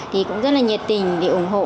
thì cũng rất là nhiệt tình để ủng hộ